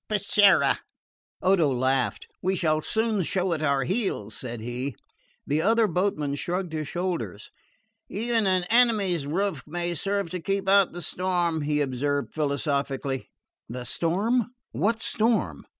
"Peschiera." Odo laughed. "We shall soon show it our heels," said he. The other boatman shrugged his shoulders. "Even an enemy's roof may serve to keep out the storm," he observed philosophically. "The storm? What storm?"